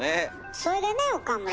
それでね岡村。